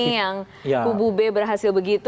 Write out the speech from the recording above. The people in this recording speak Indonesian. yang hubu b berhasil begitu gitu